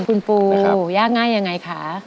คุณปู่ยากลงยังไงค่ะ